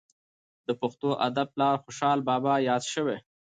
د پښتو ادب پلار خوشحال بابا یاد سوى.